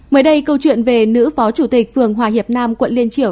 mới đây câu chuyện về nữ phó chủ tịch phường hòa hiệp nam quận liên triểu